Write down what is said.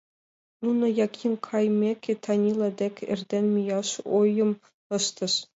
Нуно, Яким кайымеке, Танила дек эрдене мияш ойым ыштышт.